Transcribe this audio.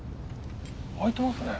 開いてますね。